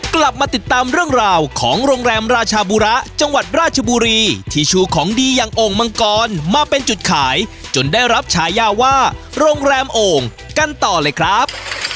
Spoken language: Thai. กลับมาติดตามเรื่องราวของโรงแรมราชาบุระจังหวัดราชบุรีที่ชูของดีอย่างโอ่งมังกรมาเป็นจุดขายจนได้รับฉายาว่าโรงแรมโอ่งกันต่อเลยครับ